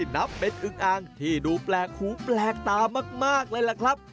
นับเป็นอึงอ่างที่ดูแปลกหูแปลกตามากเลยล่ะครับ